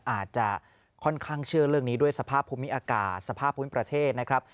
อาจจะค่อนข้างเชื่อเรื่องนี้ด้วยสภาพภูมิอากาศสภาพภูมิประเทศนะครับ